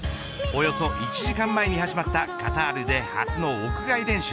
およそ１時間前に始まったカタールで初の屋外練習。